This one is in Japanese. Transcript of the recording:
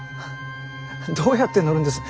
どうやって乗るんです？